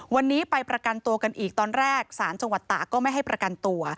วันนี้ไปประกันตัวกันอีกตอนแรกศาลจังหวัดตากก็ไม่ให้ประกันตัว